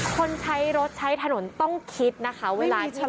คนใช้รถใช้ถนนต้องคิดนะคะเวลาที่